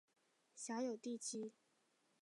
辖有第七。